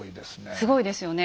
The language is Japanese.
すごいですよね。